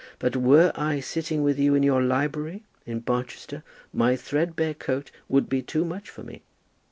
But were I sitting with you in your library in Barchester, my threadbare coat would be too much for me.